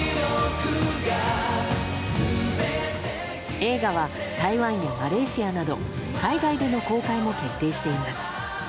映画は台湾やマレーシアなど海外での公開も決定しています。